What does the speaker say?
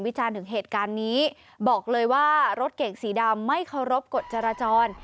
จานถึงเหตุการณ์นี้บอกเลยว่ารถเก่งสีดำไม่เคารพกฎจราจร